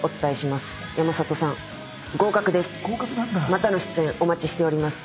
またの出演お待ちしております。